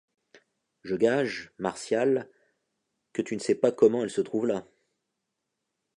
Je gage, Martial, que tu ne sais pas comment elle se trouve là.